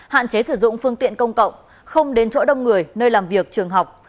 hạn chế sử dụng phương tiện công cộng không đến chỗ đông người nơi làm việc trường học